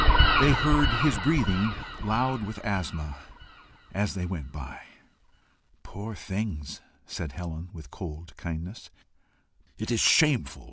They heard his breathing, loud with asthma, as they went by. "Poor things!" said Helen, with cold kindness. "It is shameful!"